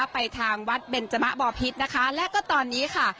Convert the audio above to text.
ไปทางวัดเบนจมะบอพิษนะคะและก็ตอนนี้ค่ะ